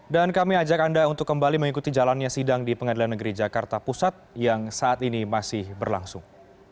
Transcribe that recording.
dan kami ajak anda untuk kembali mengikuti jalannya sidang di pengadilan negeri jakarta pusat yang saat ini masih berlangsung